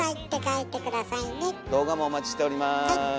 動画もお待ちしております。